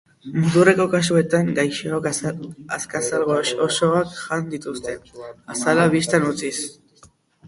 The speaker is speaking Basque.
Muturreko kasuetan gaixoak azazkal osoak jan ditzake, azala bistan utziz.